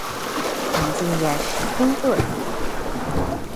环境也十分的恶劣